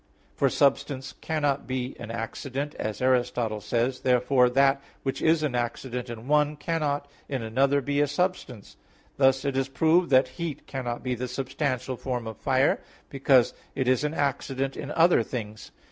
For substance cannot be an accident, as Aristotle says (Phys. i). Therefore that which is an accident in one, cannot, in another, be a substance. Thus it is proved that heat cannot be the substantial form of fire, because it is an accident in other things.